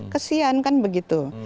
kesian kan begitu